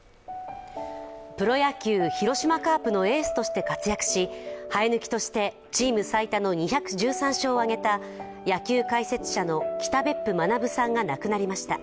プロ野球、広島カープのエースとして活躍し、生え抜きとしてチーム最多の２１３勝を挙げた野球解説者の北別府学さんが亡くなりました。